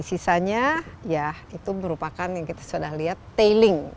sisanya ya itu merupakan yang kita sudah lihat tailing